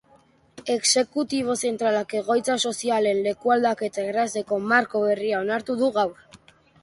Exekutibo zentralak egoitza sozialen lekualdaketa errazteko marko berria onartu du gaur.